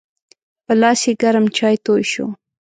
په لاس یې ګرم چای توی شو.